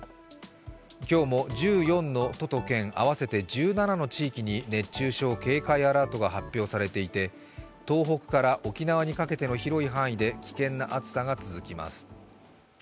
今日も１４の都と県、合わせて１７の地域に熱中症警戒アラートが発表されていて、東北から沖縄にかけての広い範囲で危険な暑さが続きます。